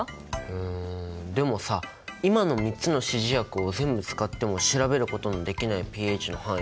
うんでもさ今の３つの指示薬を全部使っても調べることのできないｐＨの範囲もありそうだよね。